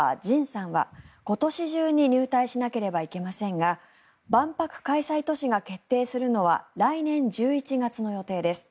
ＪＩＮさんは今年中に入隊しなければいけませんが万博開催都市が決定するのは来年１１月の予定です。